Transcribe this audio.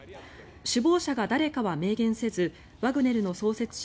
首謀者が誰かは明言せずワグネルの創設者